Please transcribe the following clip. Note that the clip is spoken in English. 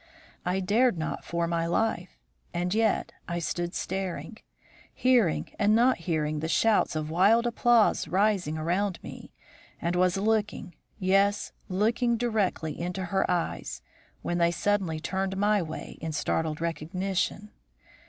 I dared not for my life. And yet I stood staring; hearing and not hearing the shouts of wild applause rising around me, and was looking, yes, looking directly into her eyes, when they suddenly turned my way in startled recognition.